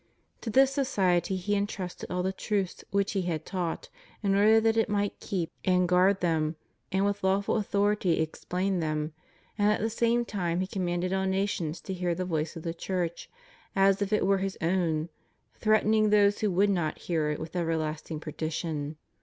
To this society He entrusted all the truths which he had taught, in order that it might keep and 154 HUMAN LIBERTY. guard them and with lawful authority explain them; and at the same time He commanded all nations to hear the voice of the Church, as if it were His own, threatening those who would not hear it with everlasting perdition.